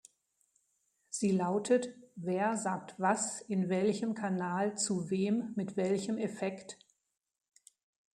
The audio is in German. Sie lautet: Wer sagt was in welchem Kanal zu wem mit welchem Effekt?